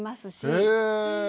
へえ！